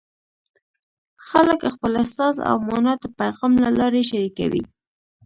خلک خپل احساس او مانا د پیغام له لارې شریکوي.